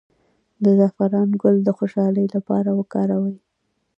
د زعفران ګل د خوشحالۍ لپاره وکاروئ